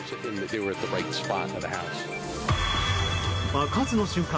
爆発の瞬間